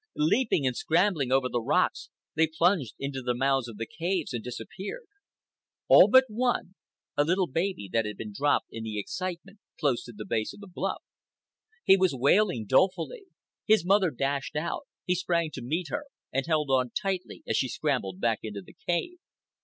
Leaping and scrambling over the rocks, they plunged into the mouths of the caves and disappeared...all but one, a little baby, that had been dropped in the excitement close to the base of the bluff. He was wailing dolefully. His mother dashed out; he sprang to meet her and held on tightly as she scrambled back into the cave.